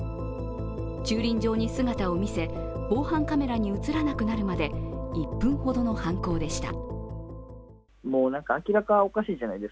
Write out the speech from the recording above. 駐輪場に姿を見せ防犯カメラに映らなくなるまで１分ほどの犯行でした。